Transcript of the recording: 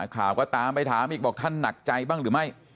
ข่าวก็ตามไปถามอีกบอกท่านหนักใจบ้างหรือไม่